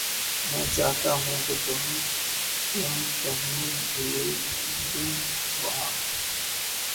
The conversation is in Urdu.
میں چاہتا ہیںں کہ تم تم کیں ڈھیںنڈیں وہاں